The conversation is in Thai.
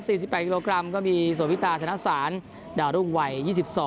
สี่สิบแปดกรมก็มีโสวิธีวิทยาศาลดาวรุ่นไหวยี่สิบสอง